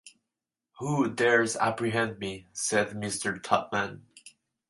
‘Who dares apprehend me?’ said Mr. Tupman.